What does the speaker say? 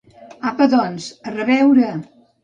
Apa doncs, a reveure!